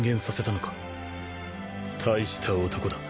大した男だ。